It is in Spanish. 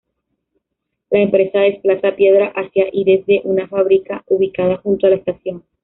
La empresa desplaza piedra hacia y desde una fábrica ubicada junto a la estación.